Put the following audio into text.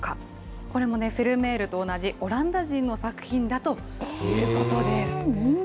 これもね、フェルメールと同じオランダ人の作品だということです。